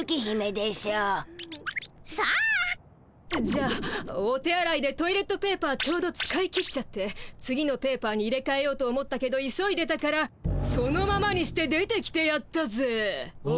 じゃあお手あらいでトイレットペーパーちょうど使い切っちゃって次のペーパーに入れかえようと思ったけど急いでたからそのままにして出てきてやったぜ。